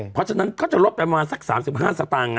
เพราะฉะนั้นก็จะลดประมาณสัก๓๕สตางค์